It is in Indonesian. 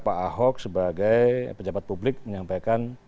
pak ahok sebagai pejabat publik menyampaikan